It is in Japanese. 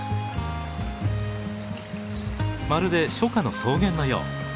まるで初夏の草原のよう。